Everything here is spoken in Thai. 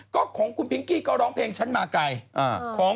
ของขุมกกก็ร้องเพลงฉันมาไกล